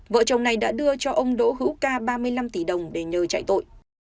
vợ chồng này đã đưa cho ông đỗ hữu ca ba mươi năm tỷ đồng để nhờ chạy tội